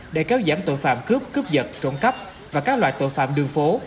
để kéo giảm tội phạm cướp cướp vật trộn cắp và các loại tội phạm đường phố